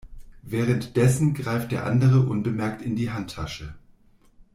Währenddessen greift der andere unbemerkt in die Handtasche.